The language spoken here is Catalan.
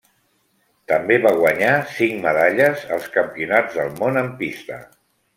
També va guanyar cinc medalles als Campionats del Món en pista.